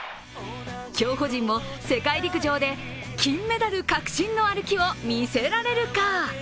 競歩陣も世界陸上で金メダル確信の歩きを見せられるか。